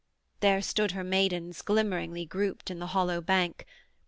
There stood her maidens glimmeringly grouped In the hollow bank.